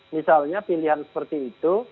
misalnya pilihan seperti itu